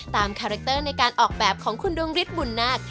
คาแรคเตอร์ในการออกแบบของคุณดวงฤทธิบุญนาค